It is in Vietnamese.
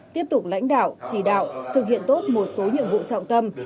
tiếp tục lãnh đạo chỉ đạo thực hiện tốt một số nhiệm vụ trọng tâm